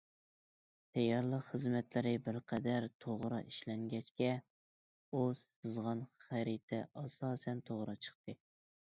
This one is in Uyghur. تەييارلىق خىزمەتلىرى بىر قەدەر توغرا ئىشلەنگەچكە، ئۇ سىزغان خەرىتە ئاساسەن توغرا چىقتى.